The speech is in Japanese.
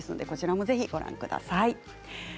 こちらもぜひご覧ください。